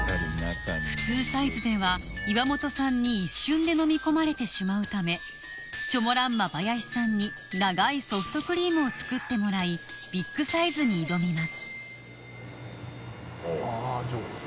普通サイズでは岩本さんに一瞬で飲み込まれてしまうためチョモランマ林さんに長いソフトクリームを作ってもらいビッグサイズに挑みますあっ上手。